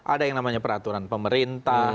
ada yang namanya peraturan pemerintah